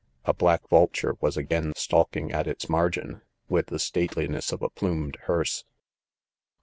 A biack vulture was again stalk ing at .its margin, with the stateliness of a plumed hearse.